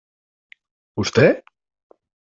Vostè?